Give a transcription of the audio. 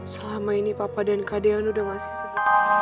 selama ini papa dan kadehan udah masih